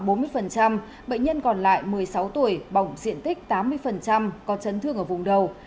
bệnh nhân còn lại một mươi sáu tuổi bỏng diện tích tám mươi có chấn thương ở vùng đầu